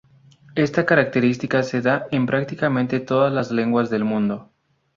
Esta característica se da en prácticamente todas las lenguas del mundo.